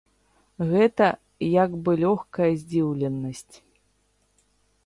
Гэта як бы лёгкая здзіўленасць.